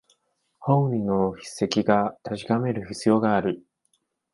本人の筆跡か確かめる必要がある